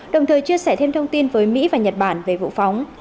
đồng thời chia sẻ thêm thông tin với mỹ và nhật bản về vụ phóng